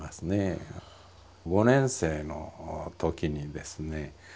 ５年生のときにですね